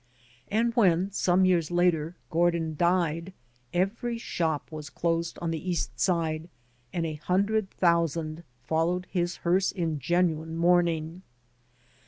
And when, some years later, Gordin diea, every shop was closed on the East Side and a himdred thousand followed his hearse in genuine mourning.